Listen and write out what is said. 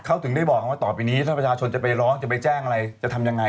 เขาถึงได้บอกว่าต่อไปนี้ถ้าประชาชนจะไปร้องจะไปแจ้งอะไรจะทำยังไง